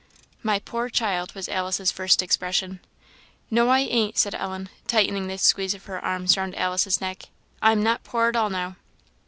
"My poor child!" was Alice's first expression. "No, I ain't," said Ellen, tightening the squeeze of her arms round Alice's neck; "I am not poor at all now."